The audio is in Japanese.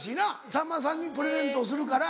さんまさんにプレゼントをするから。